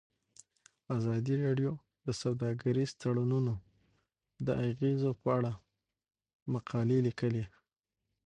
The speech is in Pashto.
ازادي راډیو د سوداګریز تړونونه د اغیزو په اړه مقالو لیکلي.